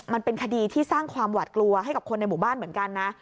มันเป็นคดีที่สร้างความหวัดกลัวให้กับคนในหมู่บ้านเหมือนกันนะ